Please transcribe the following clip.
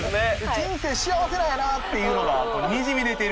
人生幸せなんやなっていうのがにじみ出てる。